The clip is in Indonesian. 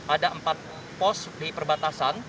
ada empat pos di perbatasan